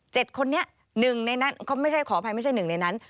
คนนี้หนึ่งในนั้นเขาไม่ใช่ขออภัยไม่ใช่หนึ่งในนั้น